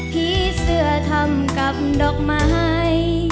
ผีเสื้อทำกับดอกไม้